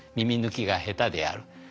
耳抜きが下手である。